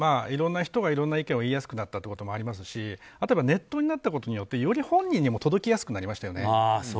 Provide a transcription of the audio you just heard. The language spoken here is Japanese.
いろんな人がいろんな意見を言いやすくなったこともありますしネットになったことによってより本人に届きやすくなりましたよね。